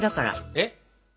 えっ？